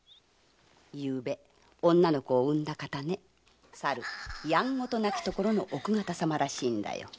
昨夜女の子を産んだ方ねさるやんごとなき所の奥方様らしいんだよ。